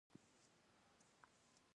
ډاکټر مترا سینګه د طبیب په جامه کې و.